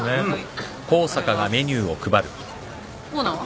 オーナーは？